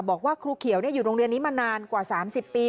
บอกว่าครูเขียวอยู่โรงเรียนนี้มานานกว่า๓๐ปี